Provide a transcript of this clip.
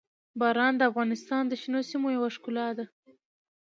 باران د افغانستان د شنو سیمو یوه ښکلا ده.